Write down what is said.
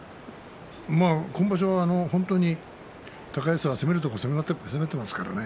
今場所は高安は攻めるところ攻めていますからね